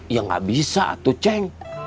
ya nggak bisa tuh ceng